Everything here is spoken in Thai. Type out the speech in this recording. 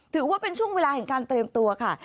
ถือว่าเป็นช่วงเวลาแห่งการเตรียมตัวค่ะ